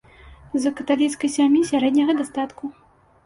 З каталіцкай сям'і сярэдняга дастатку.